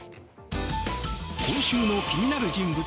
今週の気になる人物